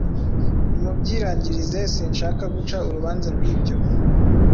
nimubyirangirize; sinshaka guca urubanza rw’ibyo: